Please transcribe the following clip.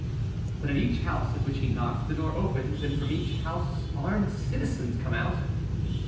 "But at each house at which he knocks the door opens and from each house armed citizens come out."